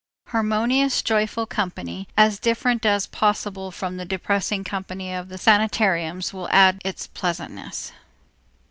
Harmonious joyful company, as different as possible from the depressing company of the sanitariums, will add its pleasantness.